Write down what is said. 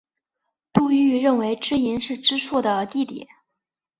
杜预认为知盈是知朔的弟弟。